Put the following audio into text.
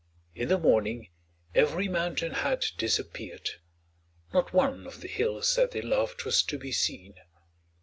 In the morning every mountain had disappeared; not one of the hills that they loved was to be seen.